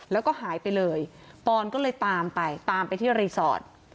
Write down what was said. แล้วก็หายไปเลยปอนก็เลยตามไปตามไปที่รีสอร์ท